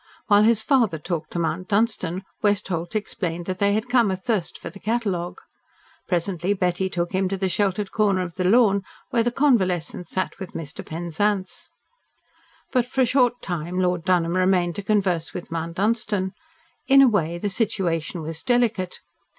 While his father talked to Mount Dunstan, Westholt explained that they had come athirst for the catalogue. Presently Betty took him to the sheltered corner of the lawn, where the convalescent sat with Mr. Penzance. But, for a short time, Lord Dunholm remained to converse with Mount Dunstan. In a way the situation was delicate.